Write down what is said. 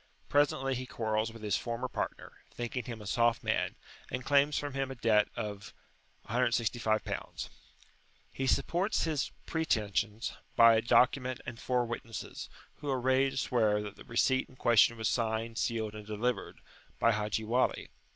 Presently he quarrels with his former partner, thinking him a soft man, and claims from him a debt of L165. He supports his pretensions by a document and four witnesses, who are ready to swear that the receipt in question was "signed, sealed, and delivered" by Haji Wali.